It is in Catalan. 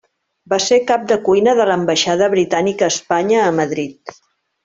Va ser cap de cuina de l'Ambaixada Britànica a Espanya a Madrid.